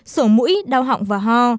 sổ mũi đau họng và ho